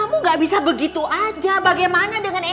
kamu gak bisa begitu aja bagaimana dengan itu